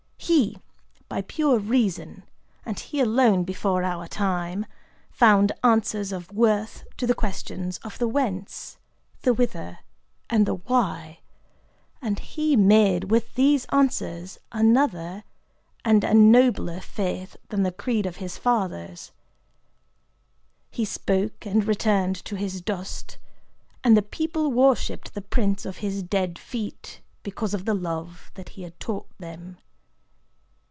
He, by pure reason,—and he alone before our time,—found answers of worth to the questions of the Whence, the Whither, and the Why;—and he made with these answers another and a nobler faith than the creed of his fathers. He spoke, and returned to his dust; and the people worshipped the prints of his dead feet, because of the love that he had taught them.